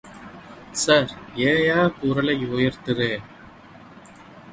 Sir ஏய்யா, குரலை உயர்த்துறே?